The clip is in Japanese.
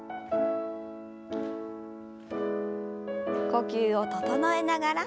呼吸を整えながら。